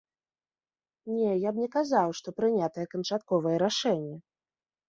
Не, я б не сказаў, што прынятае канчатковае рашэнне.